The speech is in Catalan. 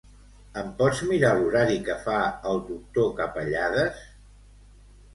Em pots mirar l'horari que fa el doctor Capellades?